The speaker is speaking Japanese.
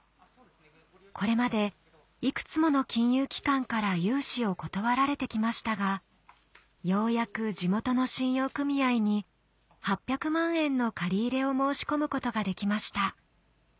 これまでいくつもの金融機関から融資を断られてきましたがようやく地元の信用組合に８００万円の借り入れを申し込むことができました